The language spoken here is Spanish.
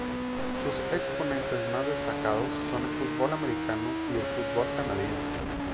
Sus exponentes más destacados son el fútbol americano y el fútbol canadiense.